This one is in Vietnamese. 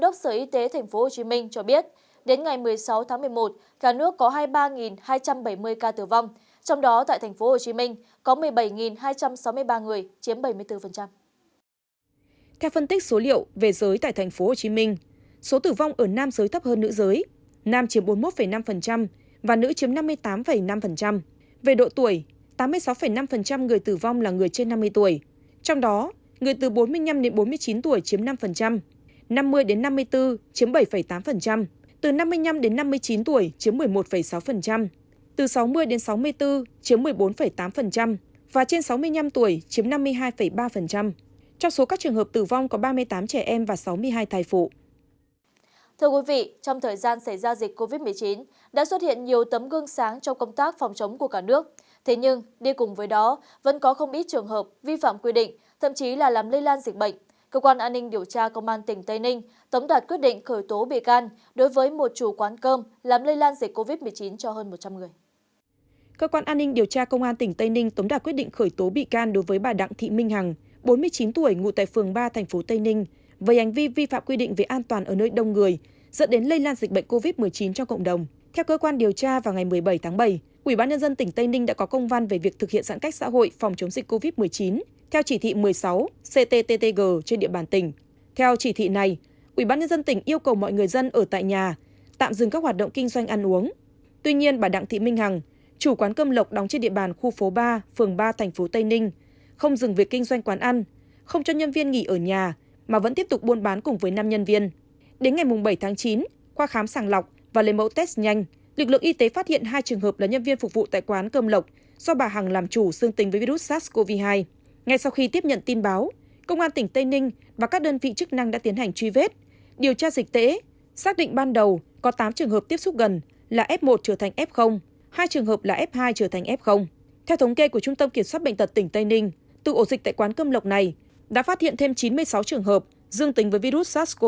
cùng liên quan đến việc vi phạm phòng chống dịch trong thời điểm xảy ra dịch covid một mươi chín vừa qua tòa nhân dân huyện tuy phước bình định đã mở phiên tòa xét xử sơ thẩm vụ án hình sự và tuyên phạt bị cáo lvs bốn mươi năm tuổi ở thị trấn diêu trì huyện tuy phước năm tháng tù về tội chống người thành công vụ